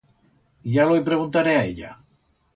Ya lo i preguntaré a ella.